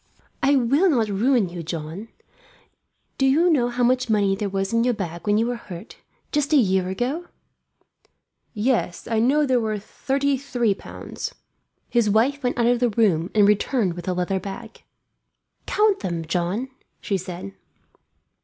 "I will not ruin you, John. Do you know how much money there was in your bag when you were hurt, just a year ago now?" "Yes, I know there were thirty three pounds." His wife went out of the room and returned with a leather bag. "Count them, John," she said.